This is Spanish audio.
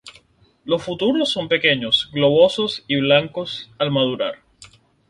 Los frutos son pequeños, globosos y blancos al madurar.